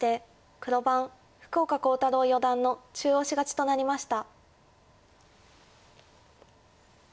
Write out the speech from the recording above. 黒番福岡航太朗四段の中押し勝ちという結果になりました。